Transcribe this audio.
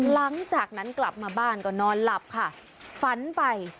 หลังจากนั้นกลับมาบ้านก็นอนหลับค่ะฝันไป